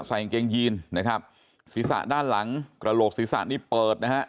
กางเกงยีนนะครับศีรษะด้านหลังกระโหลกศีรษะนี่เปิดนะฮะ